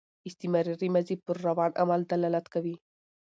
استمراري ماضي پر روان عمل دلالت کوي.